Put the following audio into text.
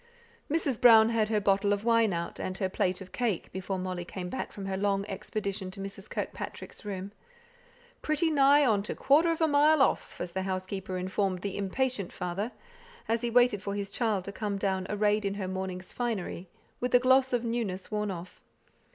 Mrs. Brown had her bottle of wine out, and her plate of cake, before Molly came back from her long expedition to Mrs. Kirkpatrick's room, "pretty nigh on to a quarter of a mile off," as the housekeeper informed the impatient father, as he waited for his child to come down arrayed in her morning's finery with the gloss of newness worn off.